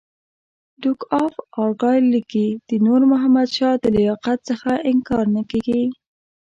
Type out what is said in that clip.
ډوک اف ارګایل لیکي د نور محمد شاه د لیاقت څخه انکار نه کېږي.